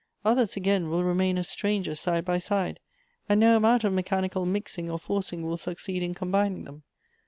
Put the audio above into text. Others, again, will remain as strangers side by side, and no amount of mechanical mixing or forcing will succeed in combining them.